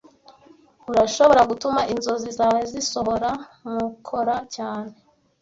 Urashobora gutuma inzozi zawe zisohora mukora cyane.